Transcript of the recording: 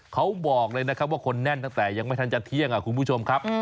เขาบอกเลยนะครับว่าคนแน่นตั้งแต่ยังไม่ทันจะเที่ยงคุณผู้ชมครับ